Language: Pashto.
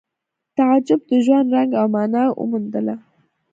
تعجب د ژوند رنګ او مانا وموندله